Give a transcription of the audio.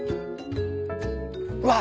うわ。